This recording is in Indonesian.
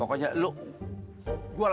gak punya vimos di sini mobil